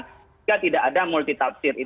kita mulai menggunakan multi tafsir